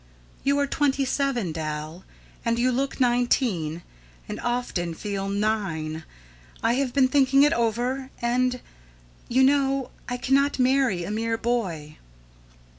You are twenty seven, Dal, and you look nineteen, and often feel nine. I have been thinking it over, and you know I cannot marry a mere boy."